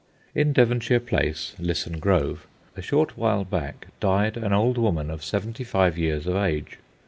In Devonshire Place, Lisson Grove, a short while back died an old woman of seventy five years of age.